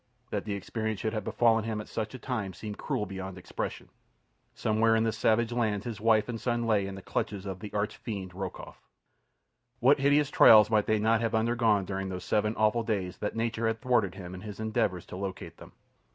That the experience should have befallen him at such a time seemed cruel beyond expression. Somewhere in this savage land his wife and son lay in the clutches of the arch fiend Rokoff. What hideous trials might they not have undergone during those seven awful days that nature had thwarted him in his endeavours to locate them?